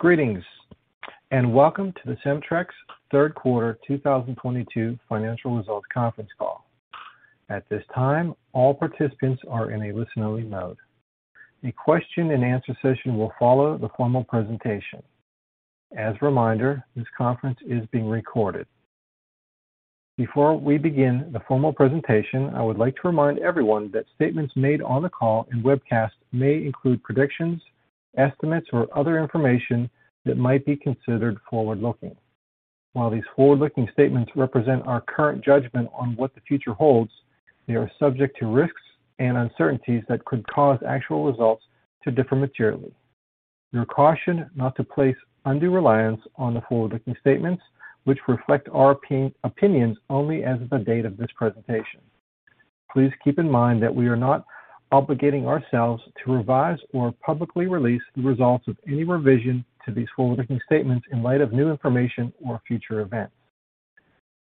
Greetings, and welcome to the Cemtrex third quarter 2022 financial results conference call. At this time, all participants are in a listen-only mode. A question and answer session will follow the formal presentation. As a reminder, this conference is being recorded. Before we begin the formal presentation, I would like to remind everyone that statements made on the call and webcast may include predictions, estimates or other information that might be considered forward-looking. While these forward-looking statements represent our current judgment on what the future holds, they are subject to risks and uncertainties that could cause actual results to differ materially. We caution not to place undue reliance on the forward-looking statements, which reflect our opinions only as of the date of this presentation. Please keep in mind that we are not obligating ourselves to revise or publicly release the results of any revision to these forward-looking statements in light of new information or future events.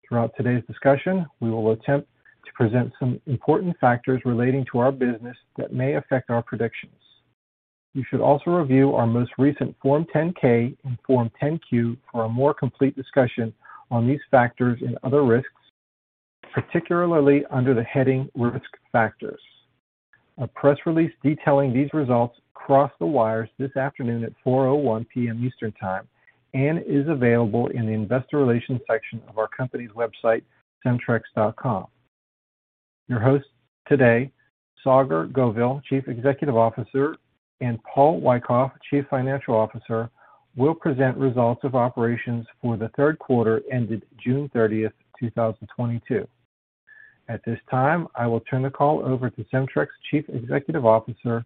Throughout today's discussion, we will attempt to present some important factors relating to our business that may affect our predictions. You should also review our most recent Form 10-K and Form 10-Q for a more complete discussion on these factors and other risks, particularly under the heading Risk Factors. A press release detailing these results crossed the wires this afternoon at 4:01 P.M. Eastern Time and is available in the investor relations section of our company's website, cemtrex.com. Your host today, Saagar Govil, Chief Executive Officer, and Paul Wyckoff, Chief Financial Officer, will present results of operations for the third quarter ended June 30, 2022. At this time, I will turn the call over to Cemtrex's Chief Executive Officer,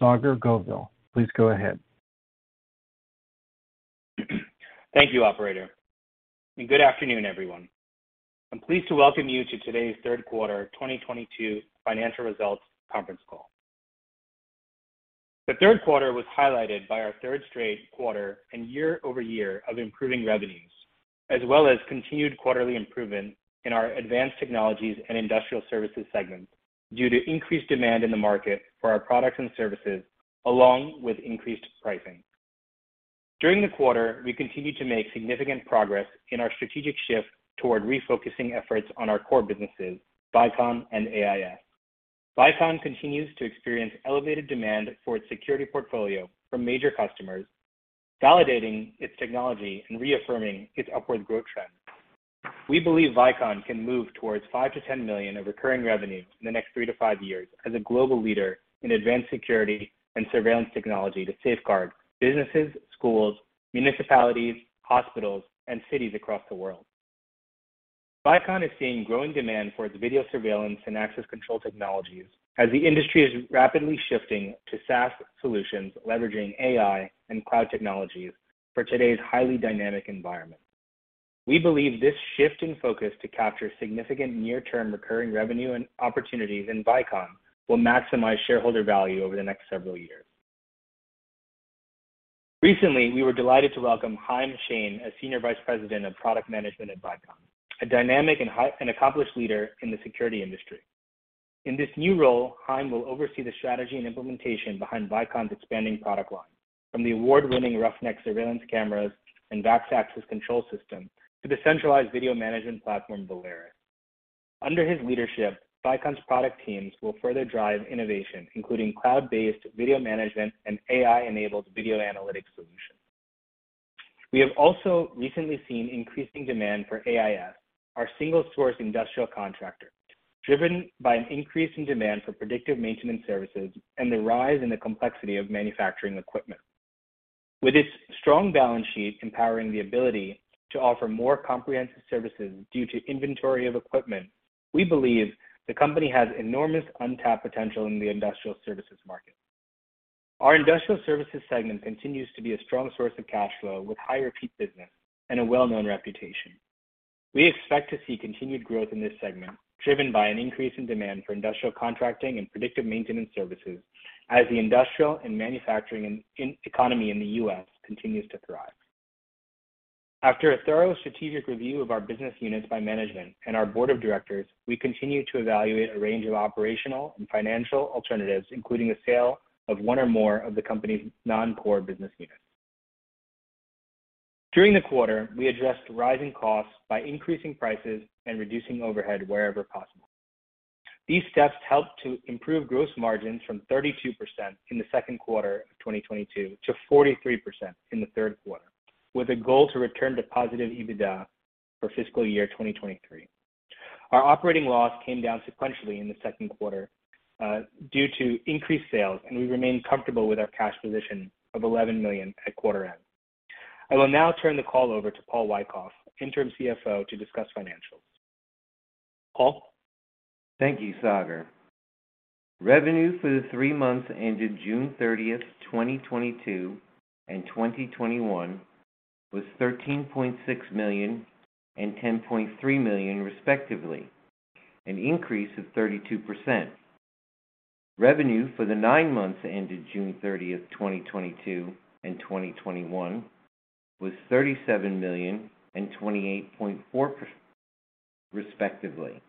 Saagar Govil. Please go ahead. Thank you, Operator, and good afternoon, everyone. I'm pleased to welcome you to today's third quarter 2022 financial results conference call. The third quarter was highlighted by our third straight quarter and year-over-year of improving revenues, as well as continued quarterly improvement in our advanced technologies and industrial services segments due to increased demand in the market for our products and services, along with increased pricing. During the quarter, we continued to make significant progress in our strategic shift toward refocusing efforts on our core businesses, Vicon and AIS. Vicon continues to experience elevated demand for its security portfolio from major customers, validating its technology and reaffirming its upward growth trend. We believe Vicon can move toward $5 million-$10 million of recurring revenues in the next 3-5 years as a global leader in advanced security and surveillance technology to safeguard businesses, schools, municipalities, hospitals, and cities across the world. Vicon is seeing growing demand for its video surveillance and access control technologies as the industry is rapidly shifting to SaaS solutions leveraging AI and cloud technologies for today's highly dynamic environment. We believe this shift in focus to capture significant near-term recurring revenue and opportunities in Vicon will maximize shareholder value over the next several years. Recently, we were delighted to welcome Haim Shain as Senior Vice President of Product Management at Vicon, a dynamic and accomplished leader in the security industry. In this new role, Haim will oversee the strategy and implementation behind Vicon's expanding product line, from the award-winning Roughneck surveillance cameras and VAX access control system to the centralized video management platform, Valerus. Under his leadership, Vicon's product teams will further drive innovation, including cloud-based video management and AI-enabled video analytics solutions. We have also recently seen increasing demand for AIS, our single-source industrial contractor, driven by an increase in demand for predictive maintenance services and the rise in the complexity of manufacturing equipment. With its strong balance sheet empowering the ability to offer more comprehensive services due to inventory of equipment, we believe the company has enormous untapped potential in the industrial services market. Our industrial services segment continues to be a strong source of cash flow with high repeat business and a well-known reputation. We expect to see continued growth in this segment driven by an increase in demand for industrial contracting and predictive maintenance services as the industrial and manufacturing economy in the U.S. continues to thrive. After a thorough strategic review of our business units by management and our board of directors, we continue to evaluate a range of operational and financial alternatives, including the sale of one or more of the company's non-core business units. During the quarter, we addressed rising costs by increasing prices and reducing overhead wherever possible. These steps helped to improve gross margins from 32% in the second quarter of 2022 to 43% in the third quarter, with a goal to return to positive EBITDA for fiscal year 2023. Our operating loss came down sequentially in the second quarter, due to increased sales, and we remain comfortable with our cash position of $11 million at quarter end. I will now turn the call over to Paul Wyckoff, Interim CFO, to discuss financials. Paul? Thank you, Saagar. Revenue for the three months ended June 30, 2022 and 2021 was $13.6 million and $10.3 million, respectively, an increase of 32%. Revenue for the nine months ended June 30, 2022 and 2021 was $37 million and $28.4 million, respectively,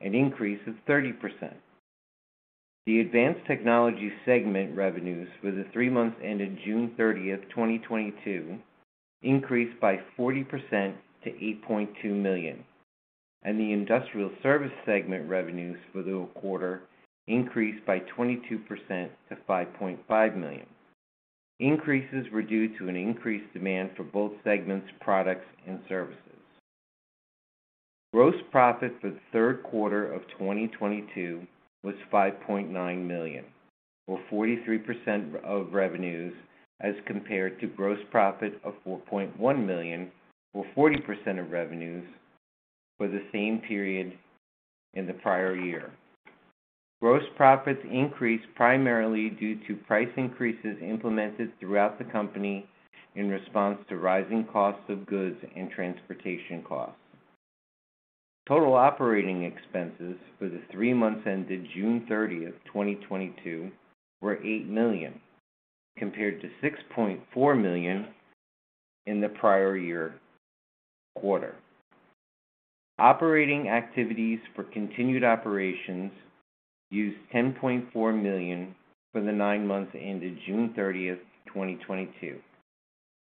an increase of 30%. The advanced technologies segment revenues for the three months ended June 30, 2022 increased by 40% to $8.2 million. The industrial service segment revenues for the quarter increased by 22% to $5.5 million. Increases were due to an increased demand for both segments products and services. Gross profit for the third quarter of 2022 was $5.9 million, or 43% of revenues, as compared to gross profit of $4.1 million, or 40% of revenues, for the same period in the prior year. Gross profits increased primarily due to price increases implemented throughout the company in response to rising costs of goods and transportation costs. Total operating expenses for the three months ended June 30, 2022 were $8 million, compared to $6.4 million in the prior year quarter. Operating activities for continued operations used $10.4 million for the nine months ended June 30, 2022,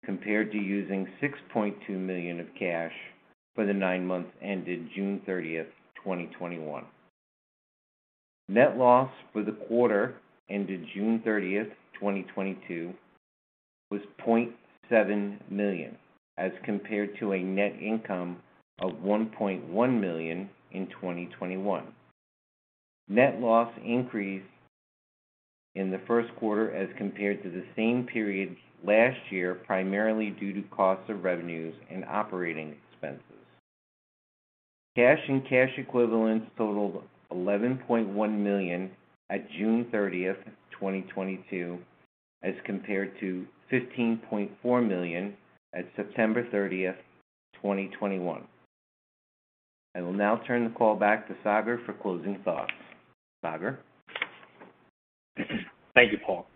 compared to using $6.2 million of cash for the nine months ended June 30, 2021. Net loss for the quarter ended June 30, 2022 was $0.7 million, as compared to a net income of $1.1 million in 2021. Net loss increased in the first quarter as compared to the same period last year, primarily due to costs of revenues and operating expenses. Cash and cash equivalents totaled $11.1 million at June 30, 2022, as compared to $15.4 million at September 30, 2021. I will now turn the call back to Saagar for closing thoughts. Saagar? Thank you, Paul.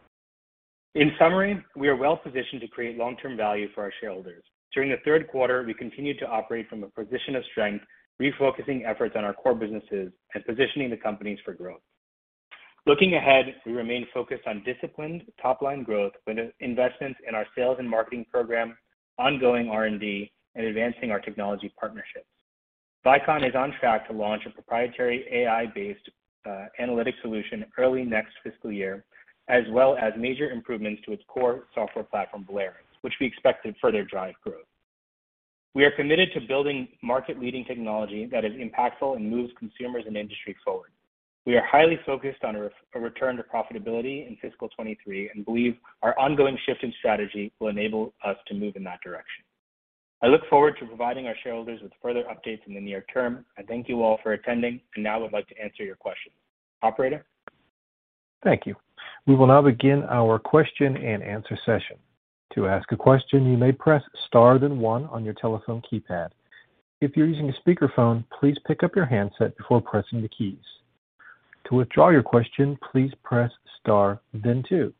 In summary, we are well-positioned to create long-term value for our shareholders. During the third quarter, we continued to operate from a position of strength, refocusing efforts on our core businesses and positioning the companies for growth. Looking ahead, we remain focused on disciplined top-line growth with investments in our sales and marketing program, ongoing R&D, and advancing our technology partnerships. Vicon is on track to launch a proprietary AI-based analytics solution early next fiscal year, as well as major improvements to its core software platform, Valerus, which we expect to further drive growth. We are committed to building market-leading technology that is impactful and moves consumers and industry forward. We are highly focused on a return to profitability in fiscal 2023 and believe our ongoing shift in strategy will enable us to move in that direction. I look forward to providing our shareholders with further updates in the near term. I thank you all for attending, and now I would like to answer your questions. Operator? Thank you. We will now begin our question-and-answer session. To ask a question, you may press star then one on your telephone keypad. If you're using a speakerphone, please pick up your handset before pressing the keys. To withdraw your question, please press star then two.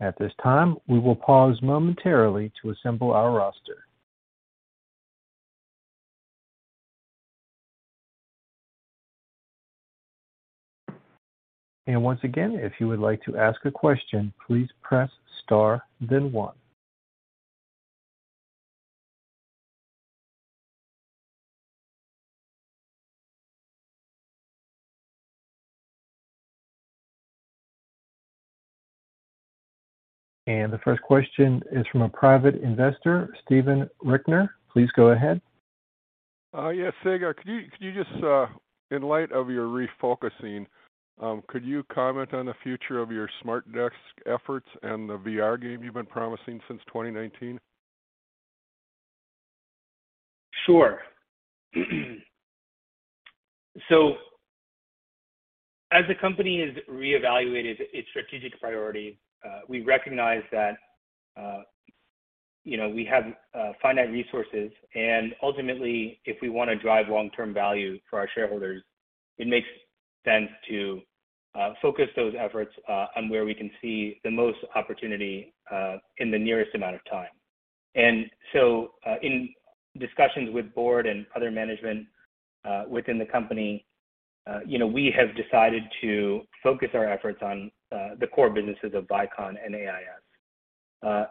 At this time, we will pause momentarily to assemble our roster. Once again, if you would like to ask a question, please press star then one. The first question is from a private investor, Steven Rickner. Please go ahead. Yes, Saagar. Could you just, in light of your refocusing, comment on the future of your SmartDesk efforts and the VR game you've been promising since 2019? Sure. As the company has reevaluated its strategic priority, we recognize that, you know, we have finite resources. Ultimately, if we wanna drive long-term value for our shareholders, it makes sense to focus those efforts on where we can see the most opportunity in the nearest amount of time. In discussions with board and other management within the company, you know, we have decided to focus our efforts on the core businesses of Vicon and AIS.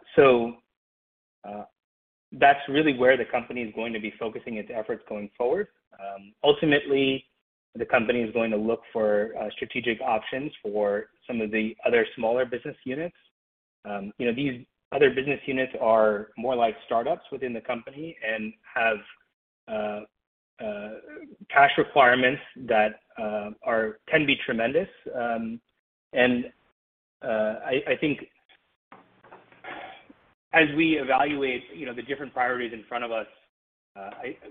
That's really where the company is going to be focusing its efforts going forward. Ultimately, the company is going to look for strategic options for some of the other smaller business units. You know, these other business units are more like startups within the company and have cash requirements that are- can be tremendous. I think as we evaluate, you know, the different priorities in front of us,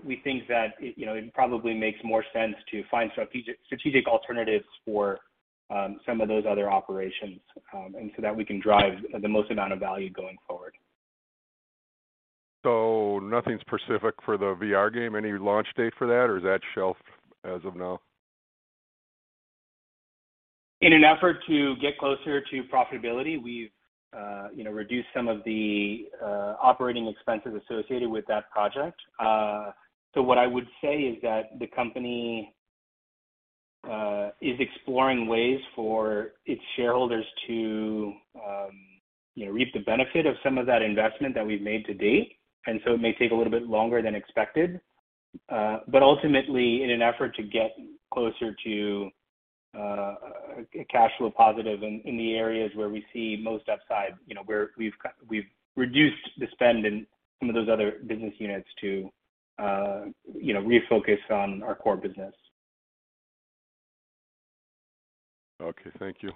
we think that it, you know, it probably makes more sense to find strategic alternatives for some of those other operations, and so that we can drive the most amount of value going forward. Nothing specific for the VR game? Any launch date for that, or is that shelved as of now? In an effort to get closer to profitability, we've you know reduced some of the operating expenses associated with that project. What I would say is that the company is exploring ways for its shareholders to you know reap the benefit of some of that investment that we've made to date. It may take a little bit longer than expected. Ultimately, in an effort to get closer to a cash flow positive in the areas where we see most upside, you know, we've reduced the spend in some of those other business units to you know refocus on our core business. Okay. Thank you.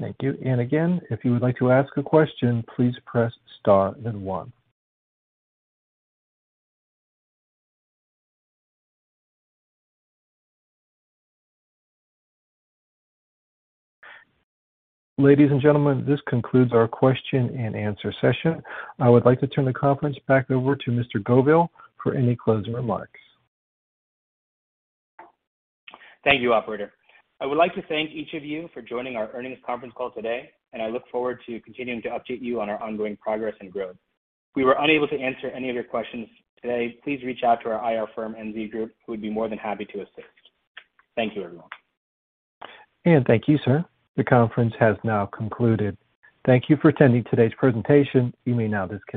Thank you. Again, if you would like to ask a question, please press star then one. Ladies and gentlemen, this concludes our question-and-answer session. I would like to turn the conference back over to Mr. Govil for any closing remarks. Thank you, operator. I would like to thank each of you for joining our earnings conference call today, and I look forward to continuing to update you on our ongoing progress and growth. If we were unable to answer any of your questions today, please reach out to our IR firm, MZ Group, who would be more than happy to assist. Thank you, everyone. Thank you, sir. The conference has now concluded. Thank you for attending today's presentation. You may now disconnect.